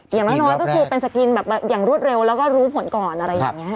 อย่างน้อยก็คือเป็นสกรีนแบบอย่างรวดเร็วแล้วก็รู้ผลก่อนอะไรอย่างนี้